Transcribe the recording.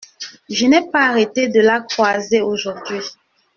Je n’ai pas arrêté de la croiser aujourd’hui.